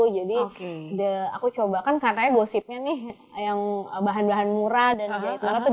jadi aku coba kan katanya gosipnya bahan bahan murah dan jahit